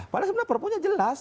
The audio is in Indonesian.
padahal sebenarnya perpunya jelas